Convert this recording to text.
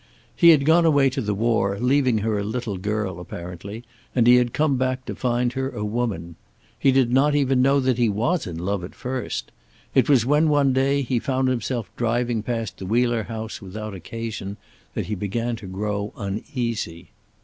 He had gone away to the war, leaving her a little girl, apparently, and he had come back to find her, a woman. He did not even know he was in love, at first. It was when, one day, he found himself driving past the Wheeler house without occasion that he began to grow uneasy.